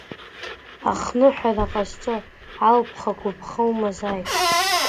Ахныҳәара ҟазҵо алԥха-агәыԥха умазааит!